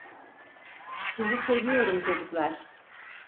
Sizi seviyorum çocuklar.